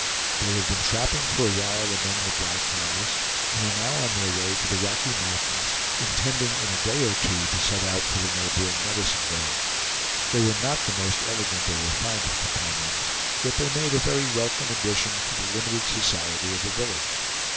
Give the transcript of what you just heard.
They had been trapping for a while among the Black Hills, and were now on their way to the Rocky Mountains, intending in a day or two to set out for the neighboring Medicine Bow. They were not the most elegant or refined of companions, yet they made a very welcome addition to the limited society of the village.